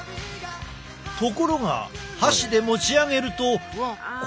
ところが箸で持ち上げるとこのとおり。